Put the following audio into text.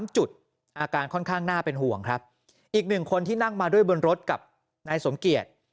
๓จุดอาการค่อนข้างน่าเป็นห่วงครับอีกหนึ่งคนที่นั่งมาด้วยบนรถกับนายสมเกียจ